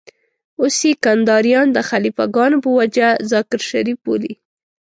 اوس يې کنداريان د خليفه ګانو په وجه ذاکر شريف بولي.